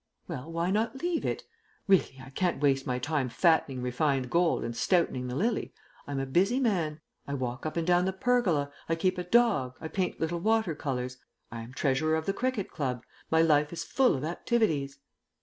"Well, why not leave it? Really, I can't waste my time fattening refined gold and stoutening the lily. I am a busy man. I walk up and down the pergola, I keep a dog, I paint little water colours, I am treasurer of the cricket club; my life is full of activities."